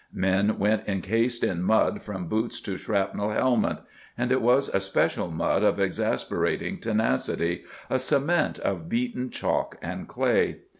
Men went encased in mud from boots to shrapnel helmet. And it was a special mud of exasperating tenacity, a cement of beaten chalk and clay.